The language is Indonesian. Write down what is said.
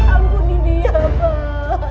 ampuni dia pak